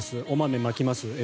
お豆まきます？